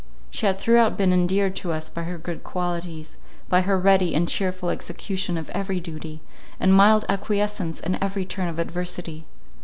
She had throughout been endeared to us by her good qualities, by her ready and cheerful execution of every duty, and mild acquiescence in every turn of adversity.